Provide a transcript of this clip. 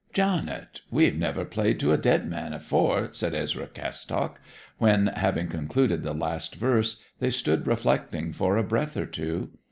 'Jown it we've never played to a dead man afore,' said Ezra Cattstock, when, having concluded the last verse, they stood reflecting for a breath or two.